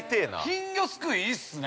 ◆金魚すくい、いいっすね。